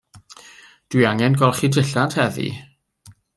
Dw i angen golchi dillad heddiw.